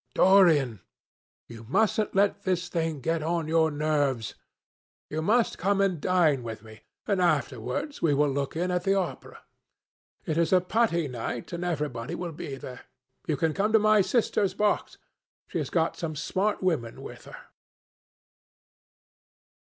Dorian, you mustn't let this thing get on your nerves. You must come and dine with me, and afterwards we will look in at the opera. It is a Patti night, and everybody will be there. You can come to my sister's box. She has got some smart women with her."